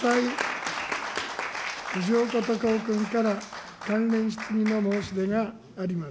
藤岡隆雄君から関連質疑の申し出があります。